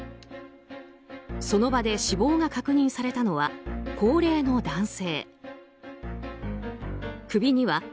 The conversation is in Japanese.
その場で死亡が確認されたのは高齢の男性。